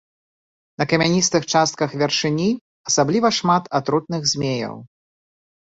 На камяністых частках вяршыні асабліва шмат атрутных змеяў.